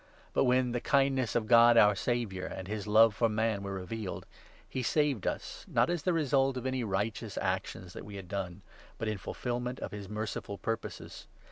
But, when the kindness of God our Saviour and his 4 love for man were revealed, he saved us, not as the result of 5 any righteous actions that we had done, but in fulfilment of his merciful purposes.